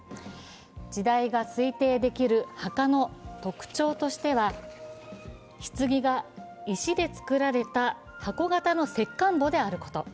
時代が推定できる墓の特徴としては、ひつぎが石で作られた箱型の石棺墓であること。